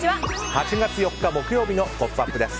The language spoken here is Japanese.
８月４日、木曜日の「ポップＵＰ！」です。